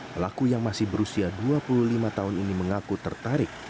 pelaku yang masih berusia dua puluh lima tahun ini mengaku tertarik